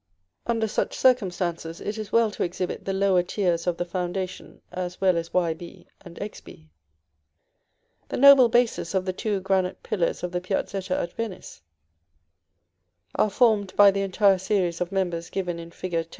Under such circumstances, it is well to exhibit the lower tiers of the foundation as well as Yb and Xb. The noble bases of the two granite pillars of the Piazzetta at Venice are formed by the entire series of members given in Fig.